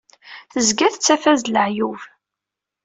Tezga tettaf-as-d leɛyub.